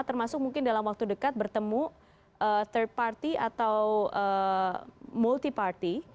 termasuk mungkin dalam waktu dekat bertemu third party atau multi party